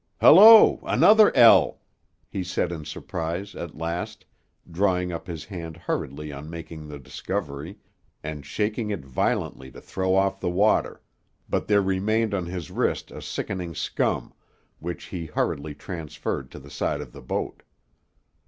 "Hello! Another L!" he said in surprise, at last, drawing up his hand hurriedly on making the discovery, and shaking it violently to throw off the water, but there remained on his wrist a sickening scum, which he hurriedly transferred to the side of the boat.